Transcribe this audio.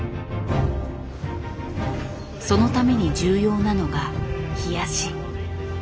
そのために重要なのが「冷やし」。